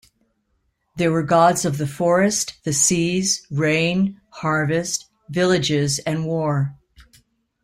There were gods of the forest, the seas, rain, harvest, villages and war.